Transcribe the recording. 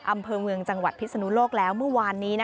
อำเภอเมืองจังหวัดพิษนุโลกแล้ว